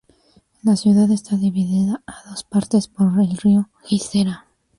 La ciudad está dividida a dos partes por el río Jizera.